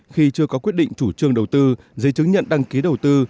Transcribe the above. khi chưa có quyết định chủ trương đầu tư giấy chứng nhận đăng ký đầu tư